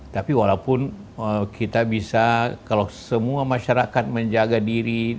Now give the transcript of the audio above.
tapi walaupun kita bisa kalau semua masyarakat menjaga diri